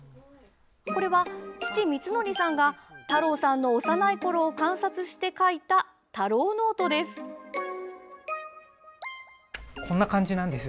これは、父・みつのりさんが太郎さんの幼いころを観察して描いた「たろうノート」です。